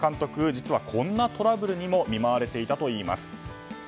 実はこんなトラブルにも見舞われていたといいます。